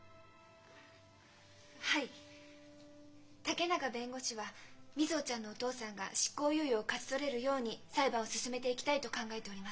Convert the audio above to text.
竹永弁護士は瑞穂ちゃんのお父さんが執行猶予を勝ち取れるように裁判を進めていきたいと考えております。